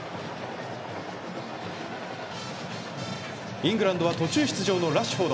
イングランドは途中出場のラッシュフォード。